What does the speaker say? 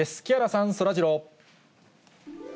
木原さん、そらジロー。